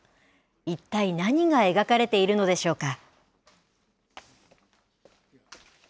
一体何が描かれているのでしょうか。